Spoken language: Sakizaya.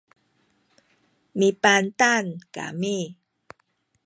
mipantang kami